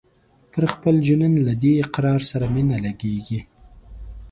پر خپل جنون له دې اقرار سره مي نه لګیږي